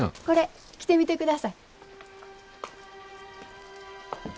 これ着てみてください。